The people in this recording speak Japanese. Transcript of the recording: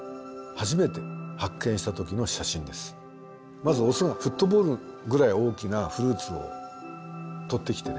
まずオスがフットボールぐらい大きなフルーツをとってきてね